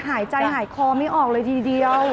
หายใจหายคอไม่ออกเลยทีเดียว